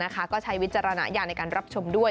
ก็ใช้วิจารณญาณในการรับชมด้วย